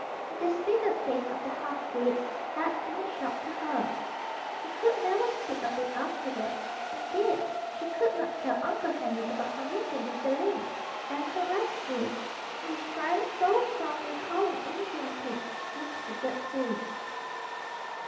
The disfigured face of the half breed HAD been a shock to her. She could never speak of it afterward. Indeed, she could not tell Uncle Henry about her meeting with the lynx, and her rescue she shrank so from recalling Injun Pete's disfigured face.